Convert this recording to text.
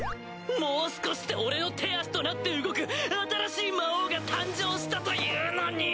もう少しで俺の手足となって動く新しい魔王が誕生したというのに！